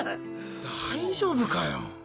大丈夫かよ？